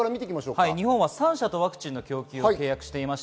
日本は３社とワクチンの契約をしています。